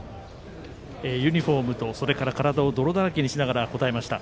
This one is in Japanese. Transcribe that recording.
ユニフォームとそれから体を泥だらけにしながら答えました。